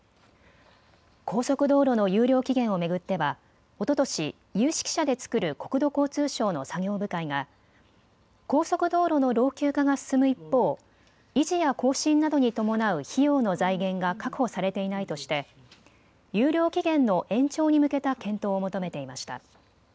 高速道路の有料期限を巡ってはおととし有識者で作る国土交通省の作業部会が高速道路の老朽化が進む一方、維持や更新などに伴う費用の財源が確保されていないとして有料期限の延長に向けた検討を求めていました。